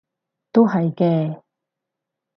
都係嘅